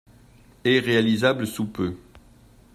Et réalisable sous peu.